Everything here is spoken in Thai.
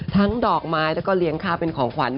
ดอกไม้แล้วก็เลี้ยงข้าวเป็นของขวัญ